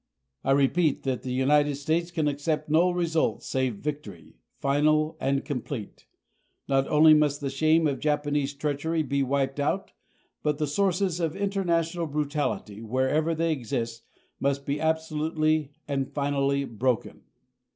I repeat that the United States can accept no result save victory, final and complete. Not only must the shame of Japanese treachery be wiped out, but the sources of international brutality, wherever they exist, must be absolutely and finally broken.